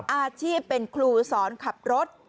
อาชีพเป็นครูสอนขับรถ